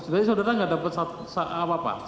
jadi saudara tidak dapat apa pak